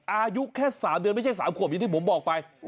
อายุแค่๓เดือนไม่ใช่๓ขวบอย่างที่ผมบอกไป